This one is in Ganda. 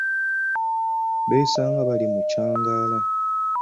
Beesanga bali mu kyangaala.